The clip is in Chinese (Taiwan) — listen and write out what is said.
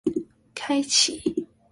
開啟